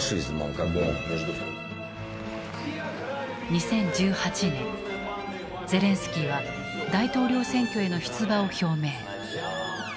２０１８年ゼレンスキーは大統領選挙への出馬を表明。